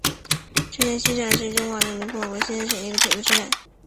新沂西站是位于中华人民共和国江苏省新沂市的一个铁路车站。